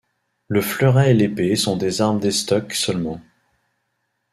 Le fleuret et l'épée sont des armes d’estoc seulement.